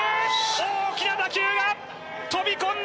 大きな打球が飛び込んだ！